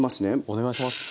お願いします。